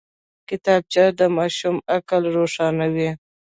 کتابچه د ماشوم عقل روښانوي